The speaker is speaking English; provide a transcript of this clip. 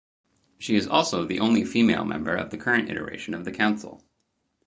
She is also the only female member of the current iteration of the council.